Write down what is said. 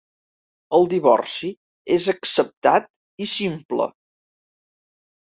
El divorci és acceptat i simple.